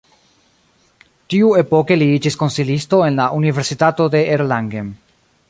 Tiuepoke li iĝis konsilisto en la Universitato de Erlangen.